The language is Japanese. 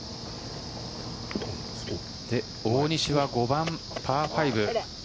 大西は５番、パー５。